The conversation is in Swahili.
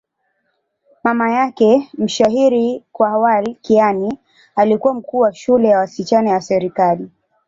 Mama yake, mshairi Khawar Kiani, alikuwa mkuu wa shule ya wasichana ya serikali.